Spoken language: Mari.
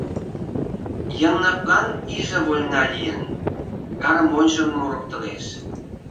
Йыгнатлан иже вольна лийын, гармоньжым мурыктылеш.